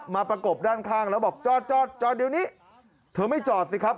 ประกบด้านข้างแล้วบอกจอดจอดจอดเดี๋ยวนี้เธอไม่จอดสิครับ